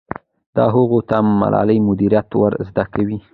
دا هغوی ته مالي مدیریت ور زده کوي.